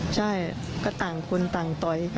ใช่ก็ต่างคนต่อยกัน